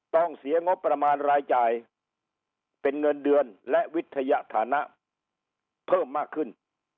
ต้องเสียงบประมาณรายจ่ายเป็นเงินเดือนและวิทยาฐานะเพิ่มมากขึ้น